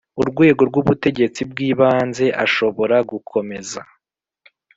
urwego rw ubutegetsi bw ibanze ashobora gukomeza